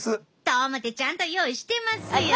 と思てちゃんと用意してますよ。